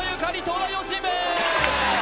東大王チーム！